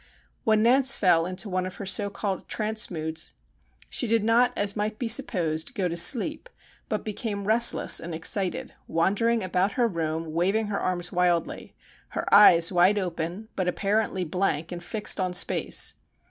When Nance fell into one of her so called trance moods she did not, as might be supposed, go to sleep, but became restless and excited, wandering about her room waving her arms wildly, her eyes wide open but apparently blank and fixed on space.